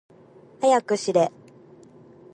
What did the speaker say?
はやくしれ。